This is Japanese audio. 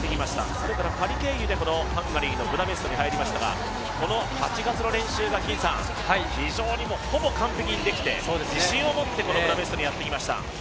それからパリ経由でハンガリーのブダペストに入りましたがこの８月の練習がほぼ完璧にできて自信を持ってブダペストにやってきました。